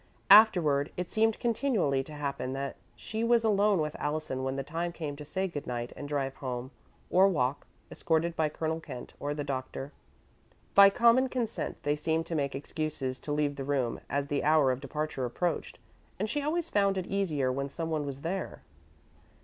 Afterward it seemed continually to happen that she was alone with Allison when the time came to say good night and drive home, or walk, escorted by Colonel Kent or the Doctor. By common consent, they seemed to make excuses to leave the room as the hour of departure approached, and she always found it easier when someone was there.